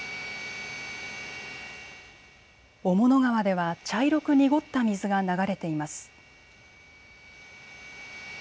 雄物川では茶色く濁った水が流れています。